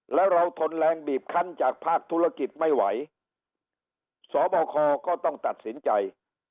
แล้วเราทนแรงบีบคันจากภาคธุรกิจไม่ไหวสบคก็ต้องตัดสินใจ